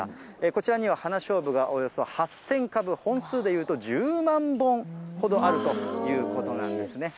こちらには花しょうぶがおよそ８０００株、本数で言うと１０万本ほどあるということなんですね。